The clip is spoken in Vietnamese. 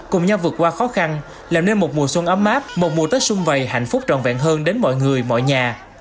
cùng nhau vượt qua khó khăn làm nên một mùa xuân ấm áp một mùa tết xung vầy hạnh phúc trọn vẹn hơn đến mọi người mọi nhà